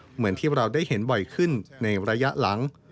เหมือนที่เราได้เห็นบ่อยขึ้นในระยะหลัง